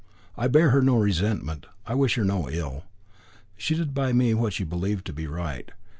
I bear her no resentment; I wish her no ill. She did by me what she believed to be right.